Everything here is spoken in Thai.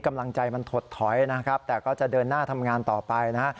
กำลังใจมันถดถอยนะครับแต่ก็จะเดินหน้าทำงานต่อไปนะฮะ